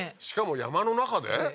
しかも山の中で？